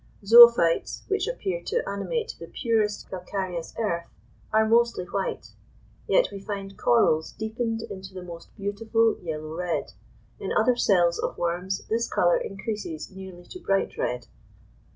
Zoophytes, which appear to animate the purest calcareous earth, are mostly white; yet we find corals deepened into the most beautiful yellow red: in other cells of worms this colour increases nearly to bright red.